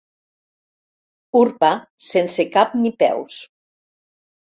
Urpa sense cap ni peus.